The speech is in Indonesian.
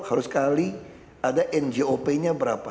harus sekali ada njop nya berapa